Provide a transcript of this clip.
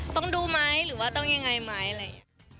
ต้องดูไหมหรือว่าต้องยังไงไหมอะไรอย่างนี้